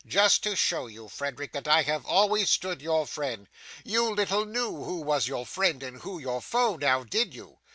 Just to show you, Frederick, that I have always stood your friend. You little knew who was your friend, and who your foe; now did you?